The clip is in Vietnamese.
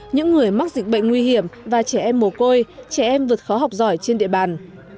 những người mắc dịch bệnh nguy hiểm và trẻ em mồ côi trẻ em vượt khó học giỏi trên địa bàn